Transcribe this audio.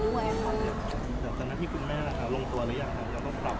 เดี๋ยวตั้งแต่หน้าที่คุณแม่ล่ะคะลงตัวหรือยังครับแล้วก็ปรับ